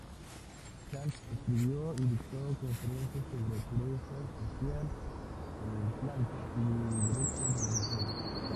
Chant escribió y dictó conferencias sobre pureza social, templanza y derechos de las mujeres.